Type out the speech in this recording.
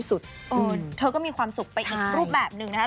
เออเธอก็มีความสุขไปอีกรูปแบบนึงนะฮะ